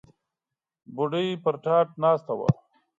بوډۍ پر تاټ ناسته وه.